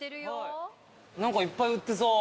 何かいっぱい売ってそう。